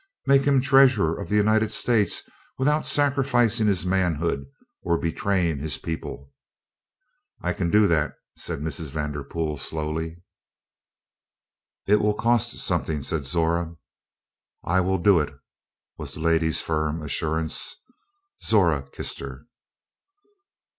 "Make him Treasurer of the United States without sacrificing his manhood or betraying his people." "I can do that," said Mrs. Vanderpool slowly. "It will cost something," said Zora. "I will do it," was the lady's firm assurance. Zora kissed her.